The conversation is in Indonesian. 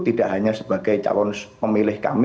tidak hanya sebagai calon pemilih kami